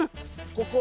ここ。